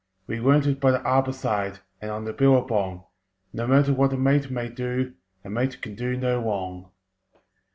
We learnt it by the harbour side And on the billabong: "No matter what a mate may do, A mate can do no wrong!"